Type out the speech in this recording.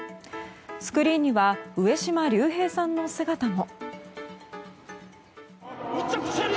スクリーンには上島竜兵さんの姿も。